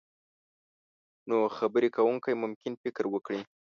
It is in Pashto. نو خبرې کوونکی ممکن فکر وکړي.